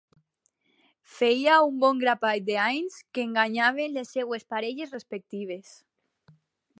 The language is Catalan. Feia un bon grapat d'anys que enganyaven les seues parelles respectives.